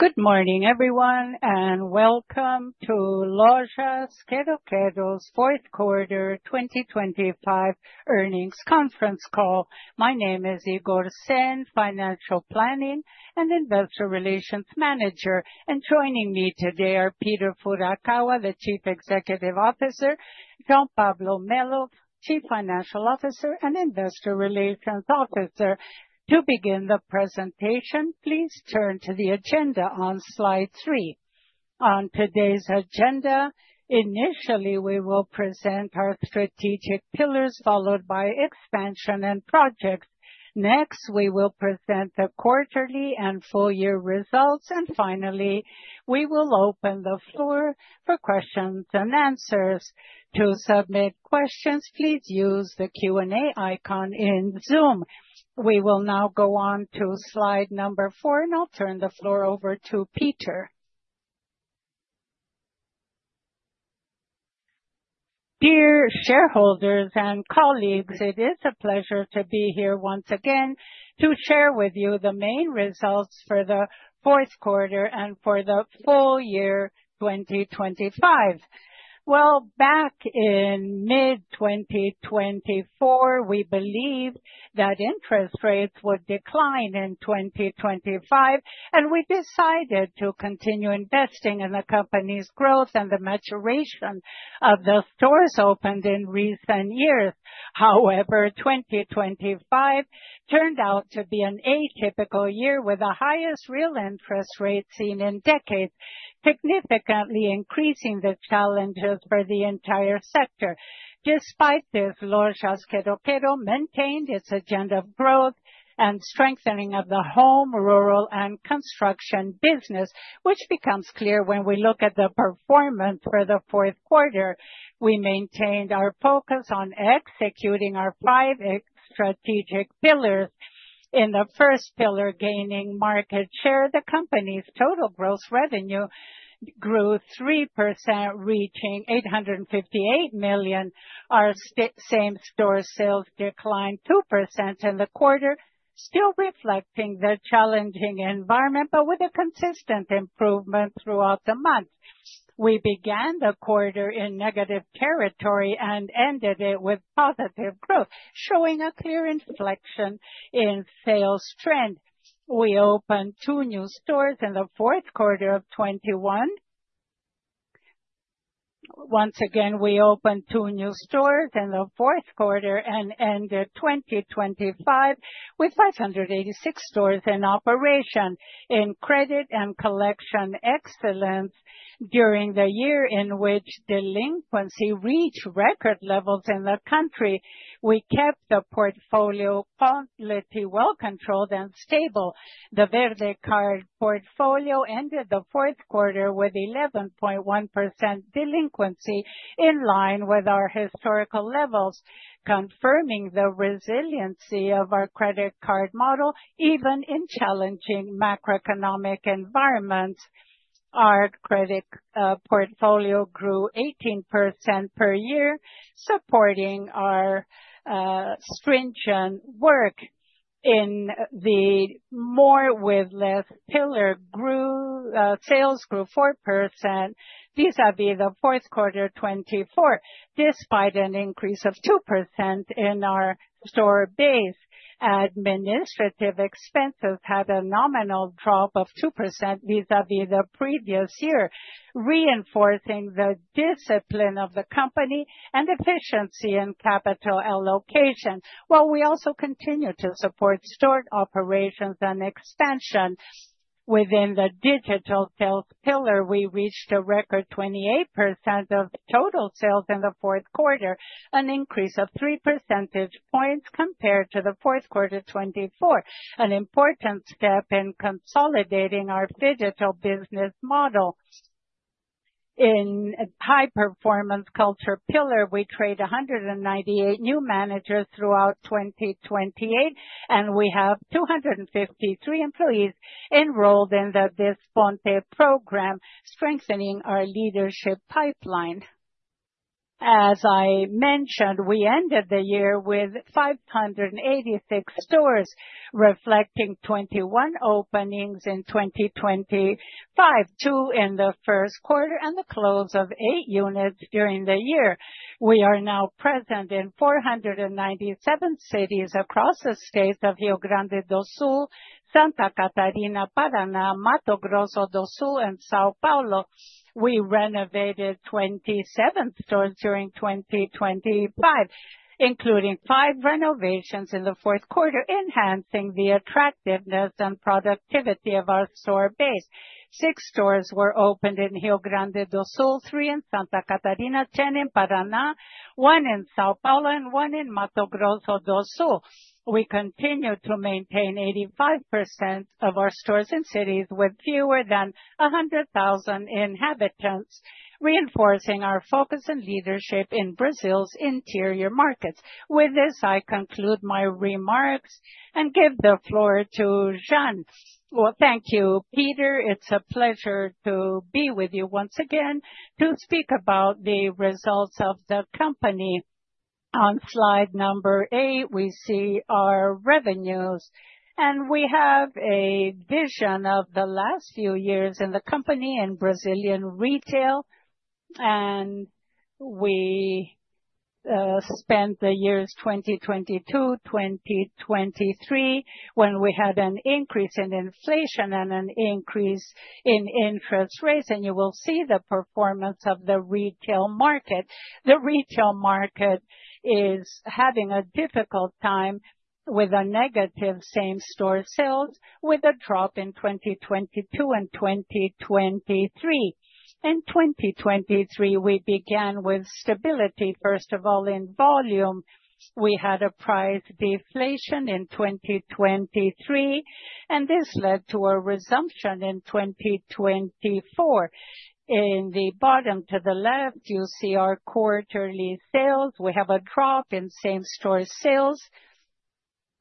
Good morning, everyone, and welcome to Lojas Quero-Quero's 4th quarter 2025 earnings conference call. My name is Igor Sehn, Financial Planning and Investor Relations Manager. Joining me today are Peter Furukawa, the Chief Executive Officer, Jean Pablo de Mello, Chief Financial Officer and Investor Relations Officer. To begin the presentation, please turn to the agenda on Slide 3. On today's agenda, initially, we will present our strategic pillars, followed by expansion and projects. Next, we will present the quarterly and full year results. Finally, we will open the floor for questions and answers. To submit questions, please use the Q&A icon in Zoom. We will now go on to Slide 4, I'll turn the floor over to Peter. Dear shareholders and colleagues, it is a pleasure to be here once again to share with you the main results for the fourth quarter and for the full year 2025. Well, back in mid 2024, we believed that interest rates would decline in 2025, and we decided to continue investing in the company's growth and the maturation of the stores opened in recent years. However, 2025 turned out to be an atypical year, with the highest real interest rates seen in decades, significantly increasing the challenges for the entire sector. Despite this, Lojas Quero-Quero maintained its agenda of growth and strengthening of the home, rural, and construction business, which becomes clear when we look at the performance for the fourth quarter. We maintained our focus on executing our five strategic pillars. In the first pillar, gaining market share, the company's total gross revenue grew 3%, reaching 858 million. Our same-store sales declined 2% in the quarter, still reflecting the challenging environment, but with a consistent improvement throughout the month. We began the quarter in negative territory and ended it with positive growth, showing a clear inflection in sales trend. We opened two new stores in the fourth quarter of 2021. Once again, we opened two new stores in the fourth quarter and ended 2025 with 586 stores in operation. In credit and collection excellence during the year in which delinquency reached record levels in the country, we kept the portfolio quality well controlled and stable. The VerdeCard portfolio ended the fourth quarter with 11.1% delinquency, in line with our historical levels, confirming the resiliency of our credit card model even in challenging macroeconomic environments. Our credit portfolio grew 18% per year, supporting our stringent work. In the more with less pillar, sales grew 4% vis-à-vis the fourth quarter 2024, despite an increase of 2% in our store base. Administrative expenses had a nominal drop of 2% vis-à-vis the previous year, reinforcing the discipline of the company and efficiency in capital allocation, while we also continue to support store operations and expansion. Within the digital sales pillar, we reached a record 28% of total sales in the fourth quarter, an increase of 3 percentage points compared to the fourth quarter 2024, an important step in consolidating our digital business model. In high performance culture pillar, we trained 198 new managers throughout 2028. We have 253 employees enrolled in the Desponte program, strengthening our leadership pipeline. As I mentioned, we ended the year with 586 stores, reflecting 21 openings in 2025, 2 in the first quarter and the close of 8 units during the year. We are now present in 497 cities across the states of Rio Grande do Sul, Santa Catarina, Paraná, Mato Grosso do Sul, and São Paulo. We renovated 27 stores during 2025, including 5 renovations in the fourth quarter, enhancing the attractiveness and productivity of our store base. 6 stores were opened in Rio Grande do Sul, 3 in Santa Catarina, 10 in Paraná, 1 in São Paulo, and 1 in Mato Grosso do Sul. We continue to maintain 85% of our stores in cities with fewer than 100,000 inhabitants, reinforcing our focus and leadership in Brazil's interior markets. With this, I conclude my remarks and give the floor to Jean. Well, thank you, Peter. It's a pleasure to be with you once again to speak about the results of the company. On Slide number 8, we see our revenues, we have a vision of the last few years in the company and Brazilian retail. We spent the years 2022, 2023, when we had an increase in inflation and an increase in interest rates, you will see the performance of the retail market. The retail market is having a difficult time with a negative same-store sales with a drop in 2022 and 2023. In 2023, we began with stability, first of all, in volume. We had a price deflation in 2023. This led to a resumption in 2024. In the bottom to the left, you'll see our quarterly sales. We have a drop in same-store sales.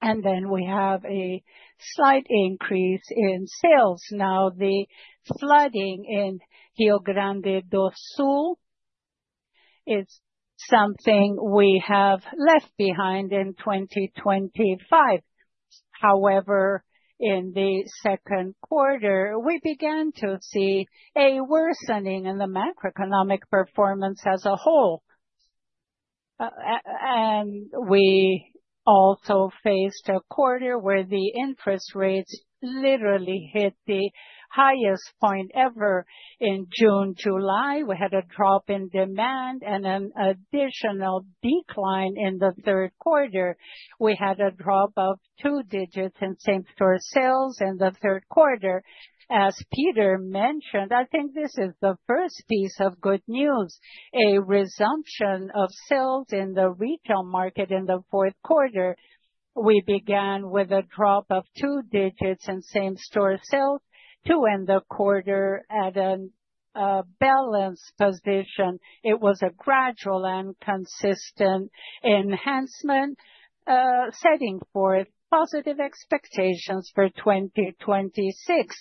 We have a slight increase in sales. The flooding in Rio Grande do Sul is something we have left behind in 2025. In the second quarter, we began to see a worsening in the macroeconomic performance as a whole. We also faced a quarter where the interest rates literally hit the highest point ever. In June, July, we had a drop in demand and an additional decline in the third quarter. We had a drop of two digits in same-store sales in the third quarter. As Peter mentioned, I think this is the first piece of good news, a resumption of sales in the retail market in the fourth quarter. We began with a drop of 2 digits in same-store sales to end the quarter at a balanced position. It was a gradual and consistent enhancement, setting forth positive expectations for 2026.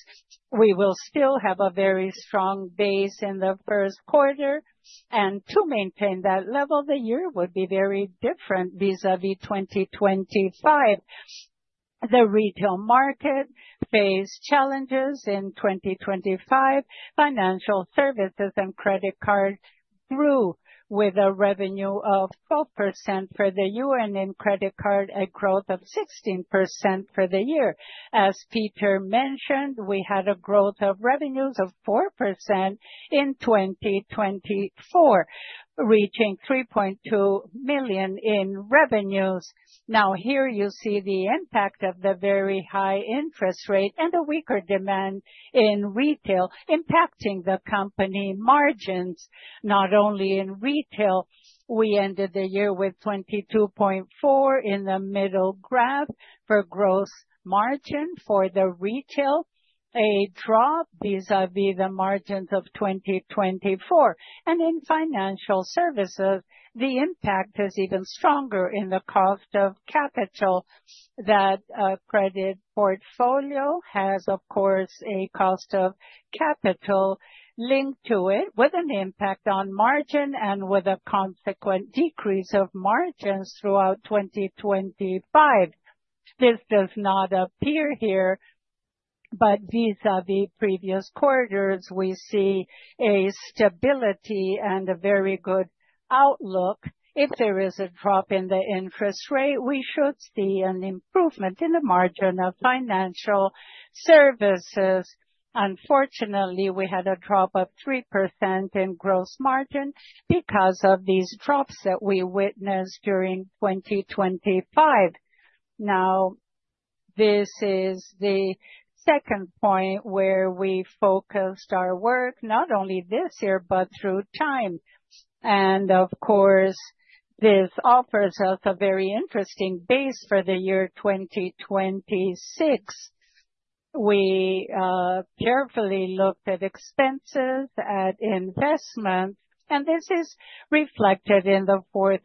We will still have a very strong base in the first quarter, and to maintain that level, the year would be very different vis-a-vis 2025. The retail market faced challenges in 2025. Financial services and credit cards grew with a revenue of 12% for the year and in credit card, a growth of 16% for the year. As Peter mentioned, we had a growth of revenues of 4% in 2024, reaching 3.2 million in revenues. Here you see the impact of the very high interest rate and the weaker demand in retail impacting the company margins, not only in retail. We ended the year with 22.4% in the middle graph for gross margin for the retail, a drop vis-à-vis the margins of 2024. In financial services, the impact is even stronger in the cost of capital that a credit portfolio has, of course, a cost of capital linked to it with an impact on margin and with a consequent decrease of margins throughout 2025. This does not appear here, vis-à-vis previous quarters, we see a stability and a very good outlook. If there is a drop in the interest rate, we should see an improvement in the margin of financial services. Unfortunately, we had a drop of 3% in gross margin because of these drops that we witnessed during 2025. This is the second point where we focused our work, not only this year but through time. Of course, this offers us a very interesting base for the year 2026. We carefully looked at expenses, at investment, and this is reflected in the fourth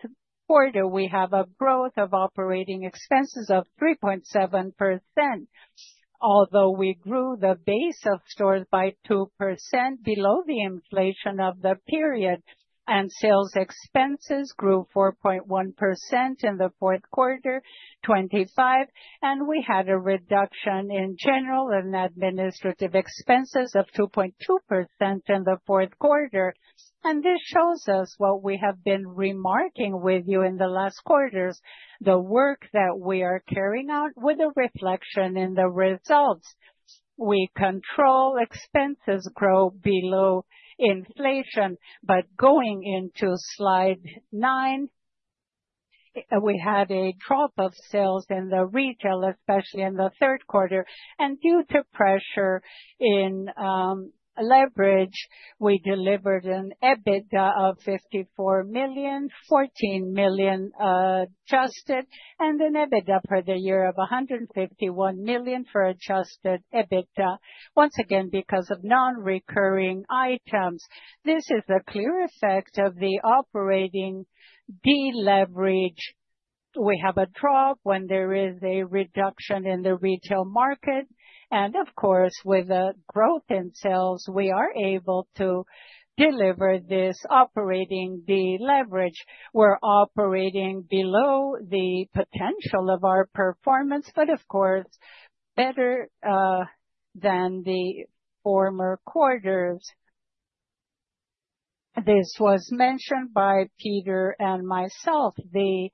quarter. We have a growth of operating expenses of 3.7%, although we grew the base of stores by 2% below the inflation of the period, and sales expenses grew 4.1% in the fourth quarter, 2025, and we had a reduction in general and administrative expenses of 2.2% in the fourth quarter. This shows us what we have been remarketing with you in the last quarters, the work that we are carrying out with a reflection in the results. We control expenses grow below inflation. Going into slide 9, we had a drop of sales in the retail, especially in the third quarter. Due to pressure in leverage, we delivered an EBITDA of 54 million, 14 million adjusted, and an EBITDA for the year of 151 million for adjusted EBITDA, once again, because of non-recurring items. This is a clear effect of the operating deleverage. We have a drop when there is a reduction in the retail market, and of course, with the growth in sales, we are able to deliver this operating deleverage. We're operating below the potential of our performance, but of course, better than the former quarters. This was mentioned by Peter and myself, the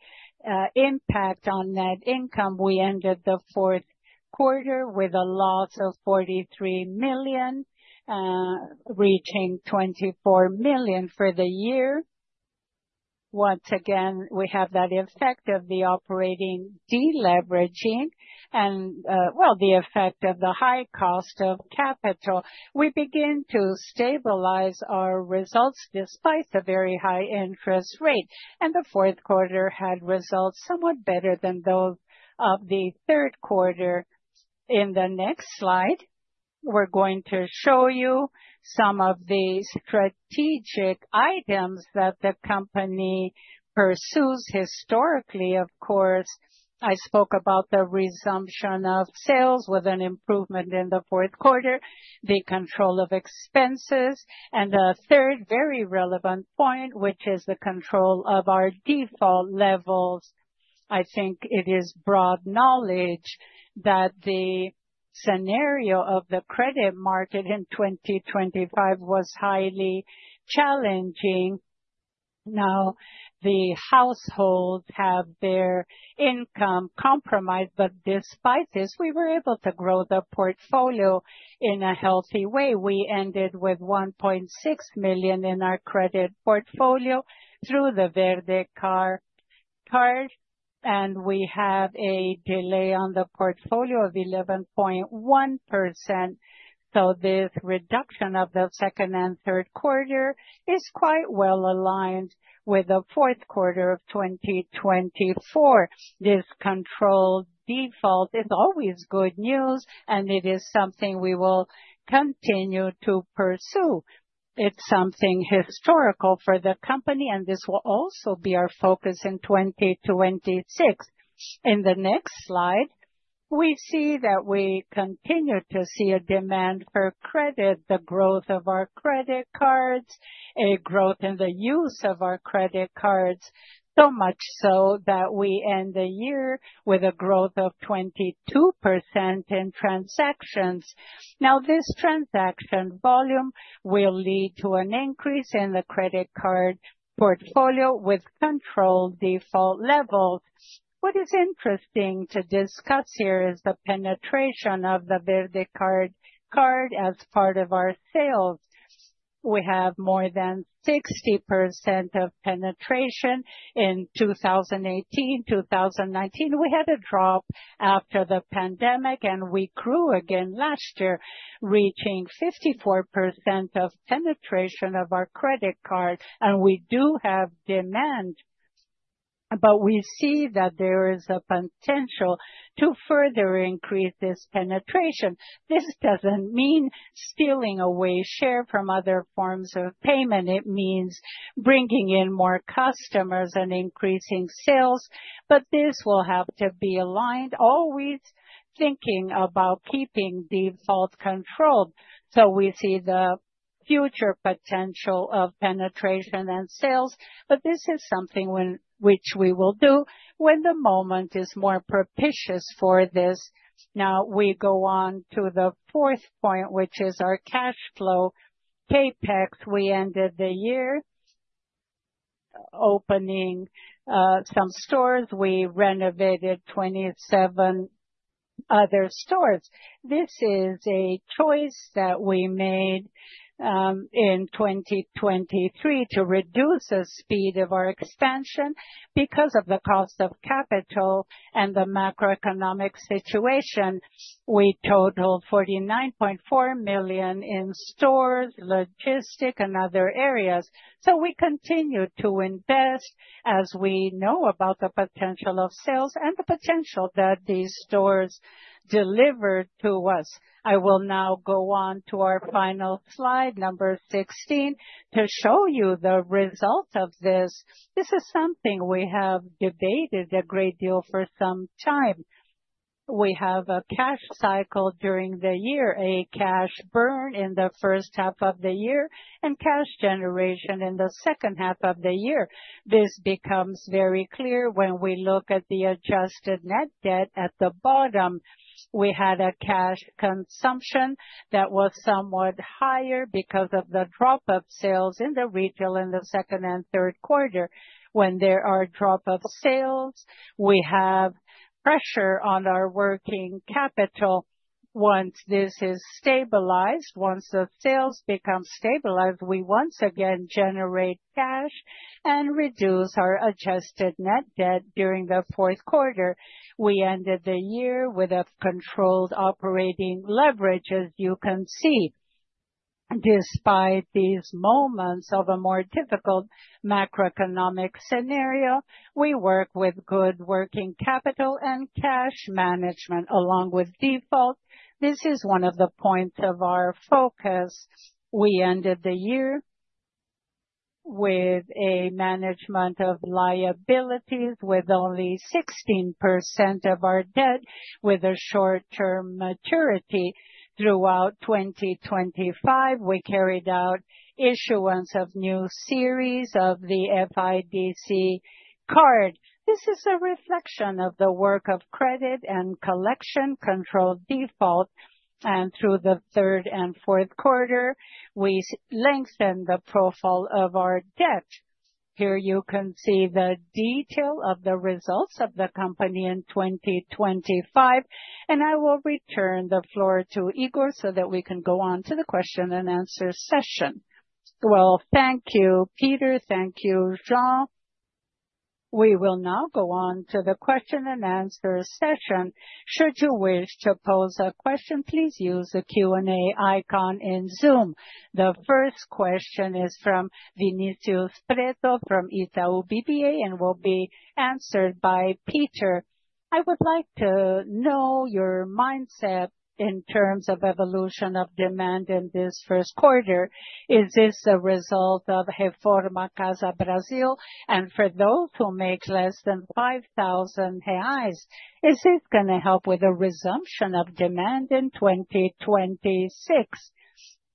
impact on net income. We ended the fourth quarter with a loss of 43 million, reaching 24 million for the year. Once again, we have that effect of the operating deleveraging and, well, the effect of the high cost of capital. We begin to stabilize our results despite the very high interest rate. The fourth quarter had results somewhat better than those of the third quarter. In the next slide, we're going to show you some of the strategic items that the company pursues historically. Of course, I spoke about the resumption of sales with an improvement in the fourth quarter, the control of expenses, and a third very relevant point, which is the control of our default levels. I think it is broad knowledge that the scenario of the credit market in 2025 was highly challenging. The households have their income compromised, but despite this, we were able to grow the portfolio in a healthy way. We ended with 1.6 million in our credit portfolio through the VerdeCard, and we have a delay on the portfolio of 11.1%. This reduction of the second and third quarter is quite well aligned with the fourth quarter of 2024. This controlled default is always good news, and it is something we will continue to pursue. It's something historical for the company, and this will also be our focus in 2026. In the next slide, we see that we continue to see a demand for credit, the growth of our credit cards, a growth in the use of our credit cards, so much so that we end the year with a growth of 22% in transactions. This transaction volume will lead to an increase in the credit card portfolio with controlled default levels. What is interesting to discuss here is the penetration of the VerdeCard card as part of our sales. We have more than 60% of penetration. In 2018, 2019, we had a drop after the pandemic, and we grew again last year, reaching 54% of penetration of our credit card, and we do have demand. We see that there is a potential to further increase this penetration. This doesn't mean stealing away share from other forms of payment. It means bringing in more customers and increasing sales, but this will have to be aligned, always thinking about keeping default controlled. We see the future potential of penetration and sales, but this is something which we will do when the moment is more propitious for this. We go on to the fourth point, which is our cash flow CapEx. We ended the year opening some stores. We renovated 27 other stores. This is a choice that we made in 2023 to reduce the speed of our expansion because of the cost of capital and the macroeconomic situation. We totaled 49.4 million in stores, logistics and other areas. We continue to invest as we know about the potential of sales and the potential that these stores deliver to us. I will now go on to our final Slide, number 16, to show you the results of this. This is something we have debated a great deal for some time. We have a cash cycle during the year, a cash burn in the first half of the year and cash generation in the second half of the year. This becomes very clear when we look at the adjusted net debt at the bottom. We had a cash consumption that was somewhat higher because of the drop of sales in the retail in the second and third quarter. When there are drop of sales, we have pressure on our working capital. Once this is stabilized, once the sales become stabilized, we once again generate cash and reduce our adjusted net debt during the fourth quarter. We ended the year with a controlled operating leverage, as you can see. Despite these moments of a more difficult macroeconomic scenario, we work with good working capital and cash management along with default. This is one of the points of our focus. We ended the year with a management of liabilities with only 16% of our debt with a short-term maturity throughout 2025, we carried out issuance of new series of the FIDC card. This is a reflection of the work of credit and collection control default. Through the third and fourth quarter, we lengthened the profile of our debt. Here you can see the detail of the results of the company in 2025, and I will return the floor to Igor so that we can go on to the question-and-answer session. Well, thank you, Peter. Thank you, Jean. We will now go on to the question-and-answer session. Should you wish to pose a question, please use the Q&A icon in Zoom. The first question is from Vinicius Pretto from Itaú BBA, and will be answered by Peter. I would like to know your mindset in terms of evolution of demand in this 1st quarter. Is this a result of Reforma Casa Brasil? For those who make less than 5,000 reais, is this gonna help with the resumption of demand in 2026?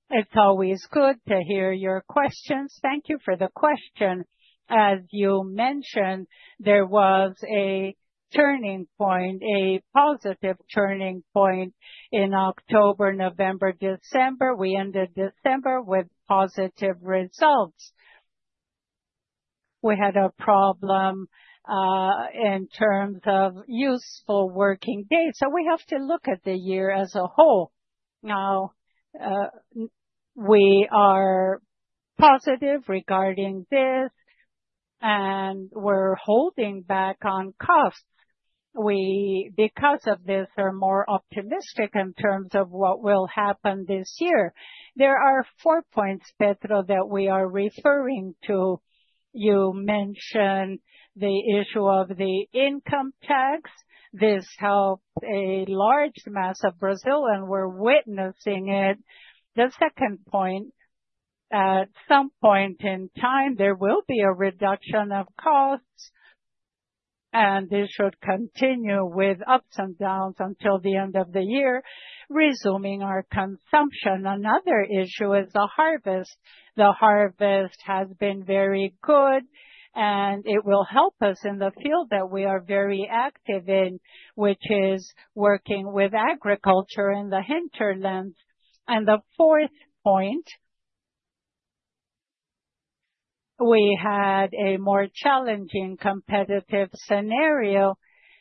It's always good to hear your questions. Thank you for the question. As you mentioned, there was a turning point, a positive turning point in October, November, December. We ended December with positive results. We had a problem in terms of useful working days. We have to look at the year as a whole. Now, we are positive regarding this. We're holding back on costs. We, because of this, are more optimistic in terms of what will happen this year. There are four points, Pretto, that we are referring to. You mentioned the issue of the income tax. This helped a large mass of Brazil, and we're witnessing it. The second point, at some point in time, there will be a reduction of costs, and this should continue with ups and downs until the end of the year, resuming our consumption. Another issue is the harvest. The harvest has been very good, and it will help us in the field that we are very active in, which is working with agriculture in the hinterlands. The fourth point. We had a more challenging competitive scenario,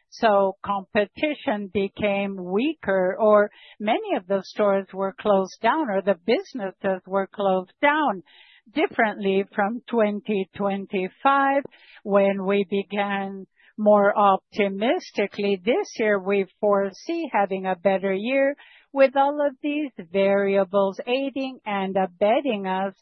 so competition became weaker, or many of the stores were closed down, or the businesses were closed down differently from 2025 when we began more optimistically. This year, we foresee having a better year with all of these variables aiding and abetting us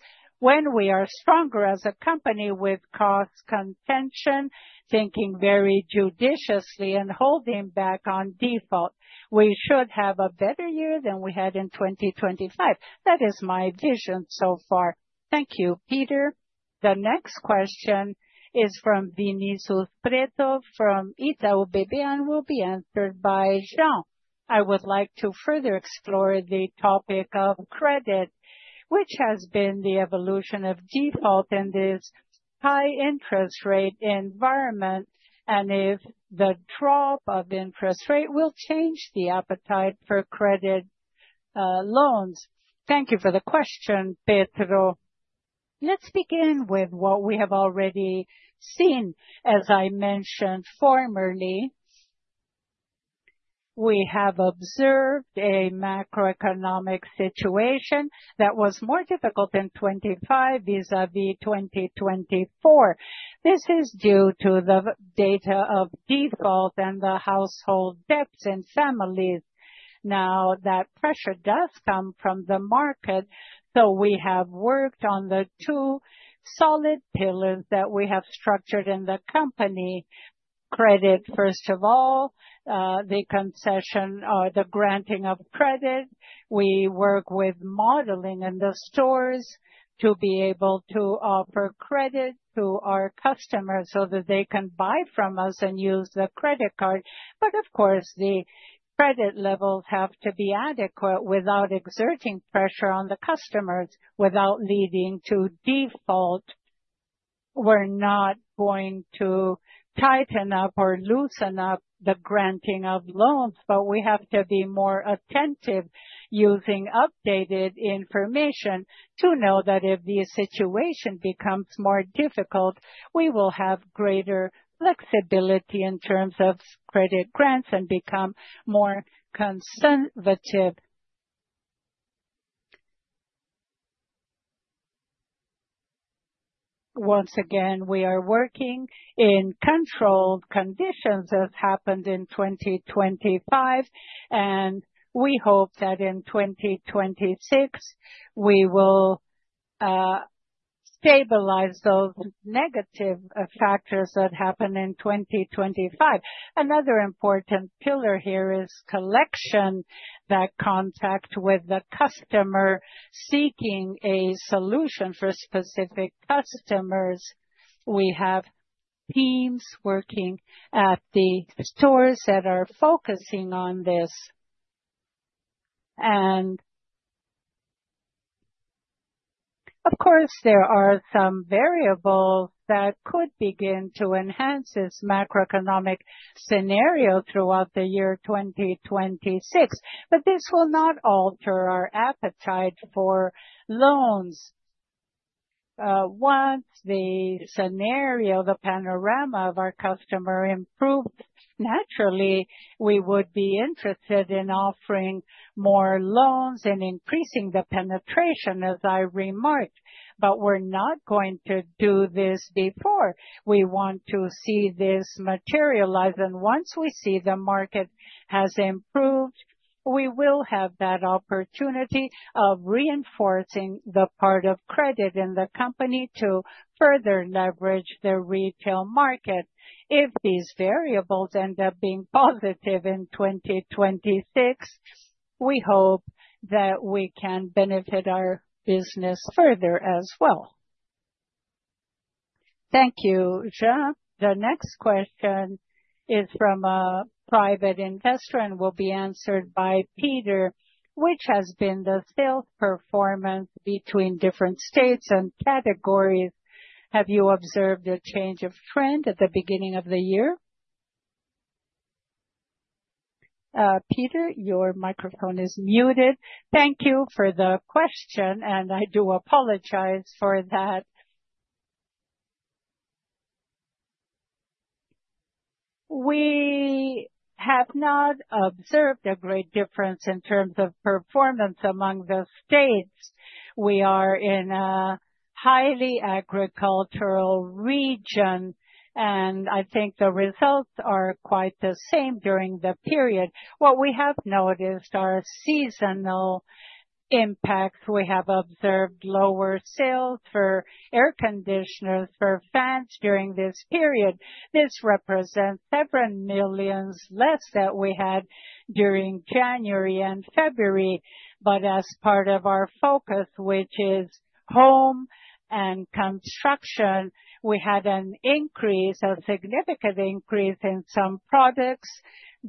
when we are stronger as a company with cost contention, thinking very judiciously and holding back on default. We should have a better year than we had in 2025. That is my vision so far. Thank you, Peter. The next question is from Vinicius Pretto from Itaú BBA and will be answered by Jean. I would like to further explore the topic of credit, which has been the evolution of default in this high interest rate environment, and if the drop of interest rate will change the appetite for credit, loans. Thank you for the question, Pretto. Let's begin with what we have already seen. As I mentioned formerly, we have observed a macroeconomic situation that was more difficult in 2025 vis-à-vis 2024. This is due to the data of default and the household debts in families. Now, that pressure does come from the market, so we have worked on the two solid pillars that we have structured in the company. Credit, first of all, the concession or the granting of credit. We work with modeling in the stores to be able to offer credit to our customers so that they can buy from us and use the credit card. Of course, the credit levels have to be adequate without exerting pressure on the customers, without leading to default. We're not going to tighten up or loosen up the granting of loans, we have to be more attentive using updated information to know that if the situation becomes more difficult, we will have greater flexibility in terms of credit grants and become more conservative. Once again, we are working in controlled conditions as happened in 2025, and we hope that in 2026 we will stabilize those negative factors that happened in 2025. Another important pillar here is collection. That contact with the customer seeking a solution for specific customers. We have teams working at the stores that are focusing on this. Of course, there are some variables that could begin to enhance this macroeconomic scenario throughout the year 2026, but this will not alter our appetite for loans. Once the scenario, the panorama of our customer improved, naturally, we would be interested in offering more loans and increasing the penetration, as I remarked. We're not going to do this before. We want to see this materialize. Once we see the market has improved, we will have that opportunity of reinforcing the part of credit in the company to further leverage the retail market. If these variables end up being positive in 2026, we hope that we can benefit our business further as well. Thank you, Jean. The next question is from a private investor and will be answered by Peter. Which has been the sales performance between different states and categories? Have you observed a change of trend at the beginning of the year? Peter, your microphone is muted. Thank you for the question, and I do apologize for that. We have not observed a great difference in terms of performance among the states. We are in a highly agricultural region, and I think the results are quite the same during the period. What we have noticed are seasonal impacts. We have observed lower sales for air conditioners, for fans during this period. This represents several million less that we had during January and February. As part of our focus, which is home and construction, we had an increase, a significant increase, in some products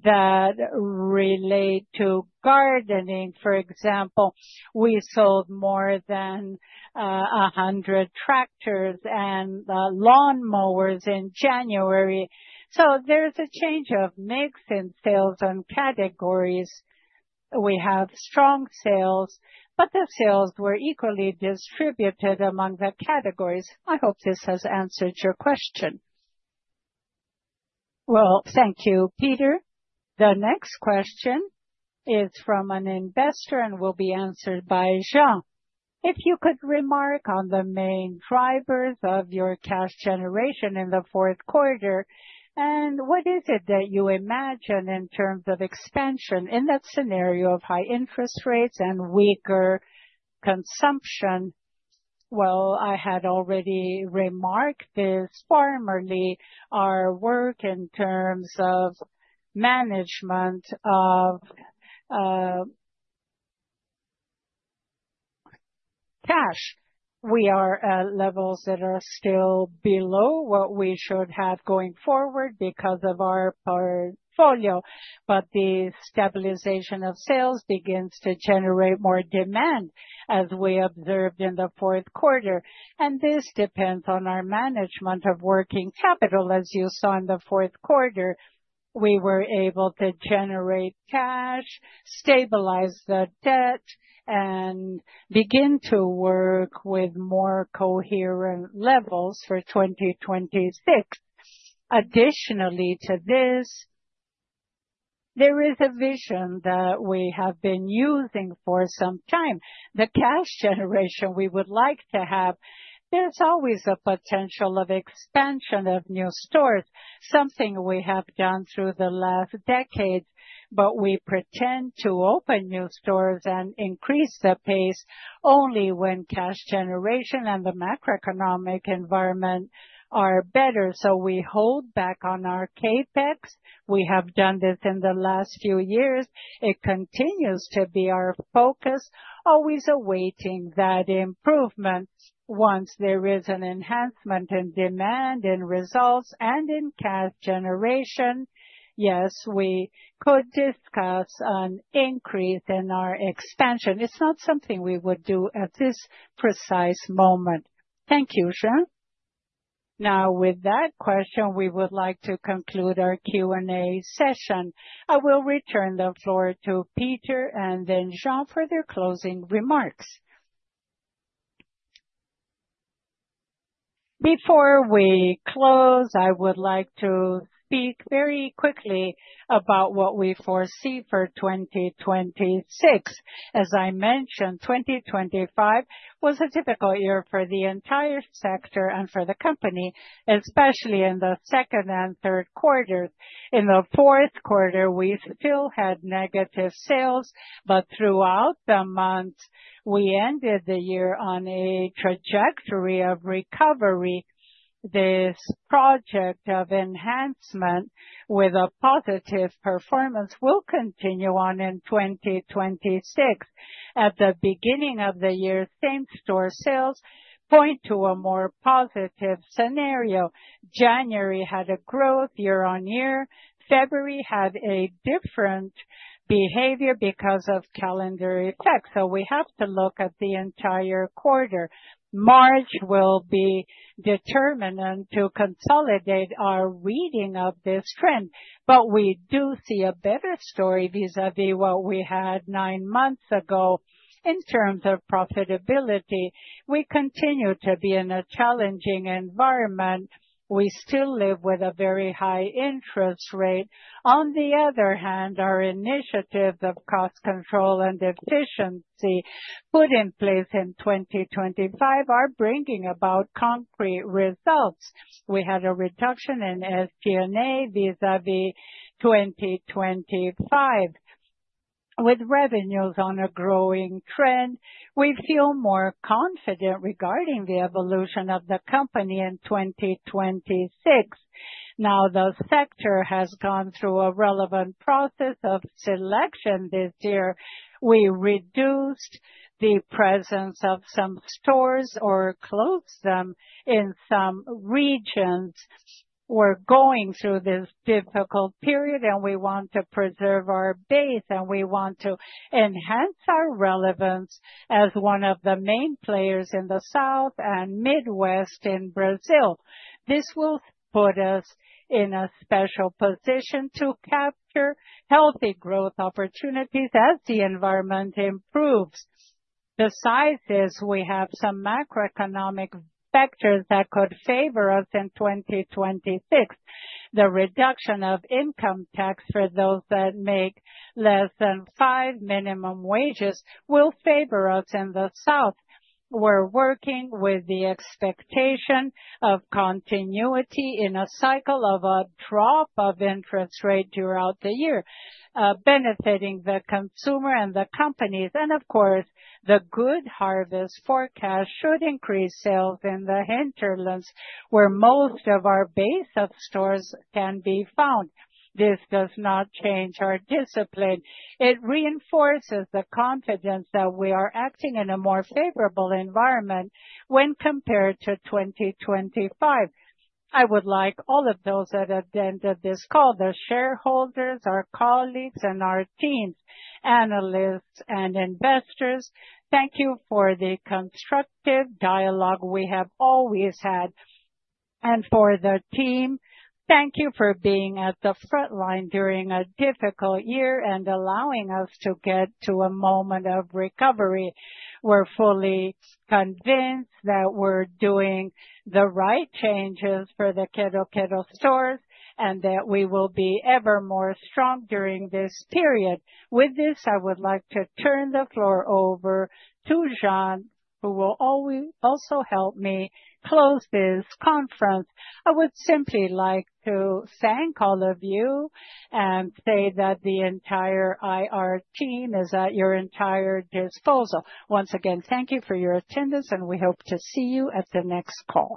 that relate to gardening. For example, we sold more than 100 tractors and lawnmowers in January. There's a change of mix in sales and categories. We have strong sales, but the sales were equally distributed among the categories. I hope this has answered your question. Well, thank you, Peter. The next question is from an investor and will be answered by Jean. If you could remark on the main drivers of your cash generation in the fourth quarter, and what is it that you imagine in terms of expansion in that scenario of high interest rates and weaker consumption? Well, I had already remarked this formerly, our work in terms of management of cash. We are at levels that are still below what we should have going forward because of our portfolio. The stabilization of sales begins to generate more demand, as we observed in the fourth quarter. This depends on our management of working capital. As you saw in the 4th quarter, we were able to generate cash, stabilize the debt, and begin to work with more coherent levels for 2026. Additionally to this, there is a vision that we have been using for some time, the cash generation we would like to have. There's always a potential of expansion of new stores, something we have done through the last decade. We pretend to open new stores and increase the pace only when cash generation and the macroeconomic environment are better. We hold back on our CapEx. We have done this in the last few years. It continues to be our focus, always awaiting that improvement. Once there is an enhancement in demand, in results, and in cash generation, yes, we could discuss an increase in our expansion. It's not something we would do at this precise moment. Thank you, Jean. With that question, we would like to conclude our Q&A session. I will return the floor to Peter and then Jean for their closing remarks. Before we close, I would like to speak very quickly about what we foresee for 2026. As I mentioned, 2025 was a difficult year for the entire sector and for the company, especially in the second and third quarters. In the fourth quarter, we still had negative sales, but throughout the months, we ended the year on a trajectory of recovery. This project of enhancement with a positive performance will continue on in 2026. At the beginning of the year, same-store sales point to a more positive scenario. January had a growth year-on-year. February had a different behavior because of calendar effects. We have to look at the entire quarter. March will be determinant to consolidate our reading of this trend, but we do see a better story vis-a-vis what we had nine months ago. In terms of profitability, we continue to be in a challenging environment. We still live with a very high interest rate. Our initiatives of cost control and efficiency put in place in 2025 are bringing about concrete results. We had a reduction in SG&A vis-a-vis 2025. With revenues on a growing trend, we feel more confident regarding the evolution of the company in 2026. The sector has gone through a relevant process of selection this year. We reduced the presence of some stores or closed them in some regions. We're going through this difficult period, and we want to preserve our base, and we want to enhance our relevance as one of the main players in the South and Midwest in Brazil. This will put us in a special position to capture healthy growth opportunities as the environment improves. Besides this, we have some macroeconomic factors that could favor us in 2026. The reduction of income tax for those that make less than five minimum wages will favor us in the South. We're working with the expectation of continuity in a cycle of a drop of interest rate throughout the year, benefiting the consumer and the companies. Of course, the good harvest forecast should increase sales in the hinterlands, where most of our base of stores can be found. This does not change our discipline. It reinforces the confidence that we are acting in a more favorable environment when compared to 2025. I would like all of those that have been to this call, the shareholders, our colleagues and our teams, analysts and investors, thank you for the constructive dialogue we have always had. For the team, thank you for being at the frontline during a difficult year and allowing us to get to a moment of recovery. We're fully convinced that we're doing the right changes for the Quero-Quero stores and that we will be ever more strong during this period. With this, I would like to turn the floor over to Jean, who will also help me close this conference. I would simply like to thank all of you and say that the entire IR team is at your entire disposal. Once again, thank you for your attendance, and we hope to see you at the next call.